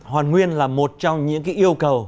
hoàn nguyên là một trong những yêu cầu